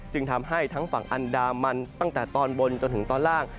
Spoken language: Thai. ทำให้ทั้งฝั่งอันดามันตั้งแต่ตอนบนจนถึงตอนล่าง